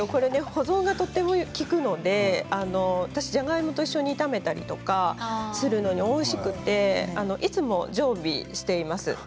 保存がとても利くので私はじゃがいもと一緒に炒めたりするのでおいしくていつも常備しています。